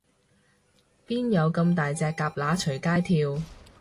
邊有噉大隻蛤乸隨街跳